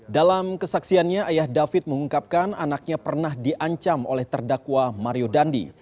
dalam kesaksiannya ayah david mengungkapkan anaknya pernah diancam oleh terdakwa mario dandi